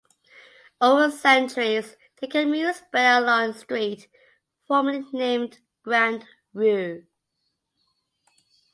Over the centuries the commune spread along a street formerly named Grand Rue.